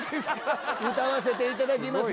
歌わせていただきます